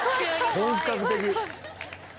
本格的。